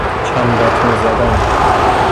چمباتمه زدن